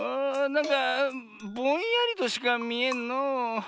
なんかぼんやりとしかみえんのう。